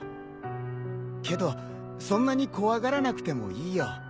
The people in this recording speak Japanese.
けどそんなに怖がらなくてもいいよ。